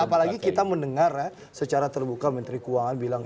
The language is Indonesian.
apalagi kita mendengar ya secara terbuka menteri keuangan bilang